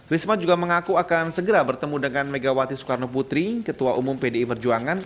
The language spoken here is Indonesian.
risma juga mengaku akan segera bertemu dengan megawati soekarno putri ketua umum pdi perjuangan